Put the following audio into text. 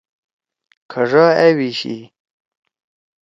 کھڙا أبیشی۔